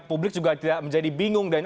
publik juga tidak menjadi bingung dan